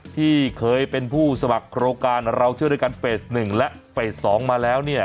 ที่เคยเป็นผู้สมัครโครงการเราเชื่อด้วยกันเฟส๑และเฟส๒มาแล้วเนี่ย